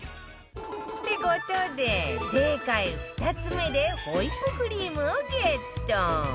って事で正解２つ目でホイップクリームをゲット